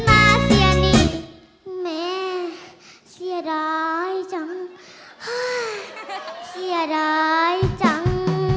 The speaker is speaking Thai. แม่นี่แม่เสียดายจังเสียดายจัง